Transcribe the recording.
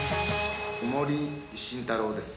森慎太郎です。